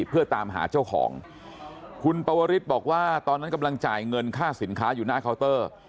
เพื่อตามหาเจ้าของคุณปวริสบอกว่าตอนนั้นกำลังจ่ายเงินค่าสินค้าอยู่หน้าเคาน์เตอร์